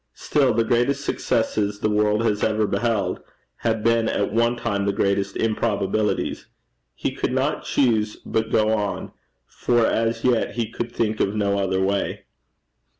Still the greatest successes the world has ever beheld had been at one time the greatest improbabilities! He could not choose but go on, for as yet he could think of no other way.